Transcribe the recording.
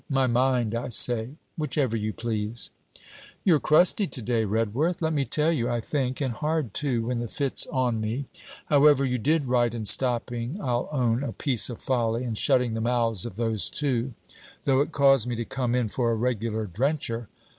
'My mind, I say.' 'Whichever you please.' 'You're crusty to day, Redworth. Let me tell you, I think and hard too, when the fit's on me. However, you did right in stopping I'll own a piece of folly, and shutting the mouths of those two; though it caused me to come in for a regular drencher.